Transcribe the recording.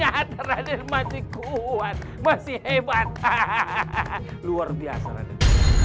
hahaha luar biasa raden